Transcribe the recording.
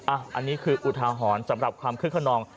อันนี้คืออุทาหรณ์สำหรับความคึกขนอง